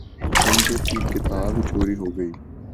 امجد کی کتاب چوری ہو گئی۔